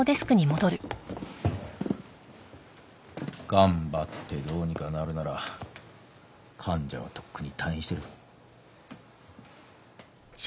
頑張ってどうにかなるなら患者はとっくに退院してる。